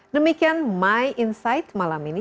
demikian my insight malam ini